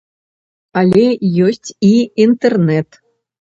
Але ёсць і інтэрнэт.